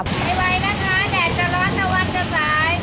ไม่ไหวนะคะแดดจะร้อนตะวันจะสาย